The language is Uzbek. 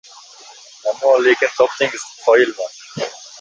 — Ammo-lekin topdingiz, qoyilman.